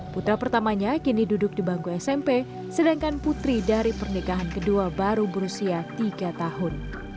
putra pertamanya kini duduk di bangku smp sedangkan putri dari pernikahan kedua baru berusia tiga tahun